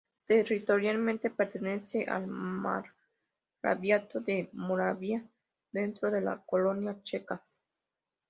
Territorialmente, pertenece al Margraviato de Moravia dentro de la la Corona Checa.